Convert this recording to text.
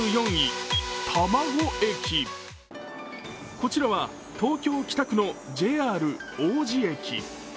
こちらは東京・北区のＪＲ王子駅。